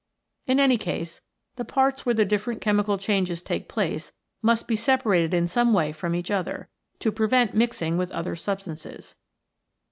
In any case, the parts where the different chemical changes take place must be separated in some way from each other, to prevent mixing with other substances.